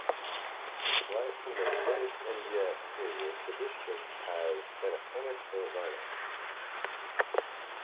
Right from the British India period the district has been a center for learning.